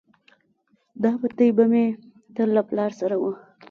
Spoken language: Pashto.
دا بتۍ به مې تل له پلار سره وه.